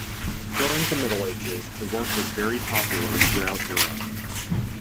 During the Middle Ages the work was very popular throughout Europe.